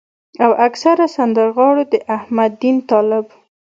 او اکثره سندرغاړو د احمد دين طالب